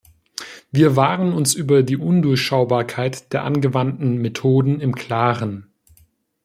Wir waren uns über die Undurchschaubarkeit der angewandten Methoden im klaren.